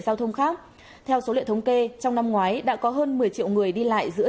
giao thông khác theo số liệu thống kê trong năm ngoái đã có hơn một mươi triệu người đi lại giữa